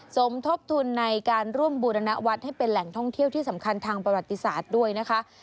สมทบทุนในการร่วมบูรณวัฒน์ให้เป็นแหล่งท่องเที่ยวที่สำคัญทางประวัติศาสตร์ด้วยนะคะ